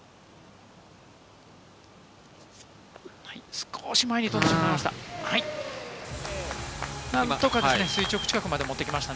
少し前に飛んでしまいました。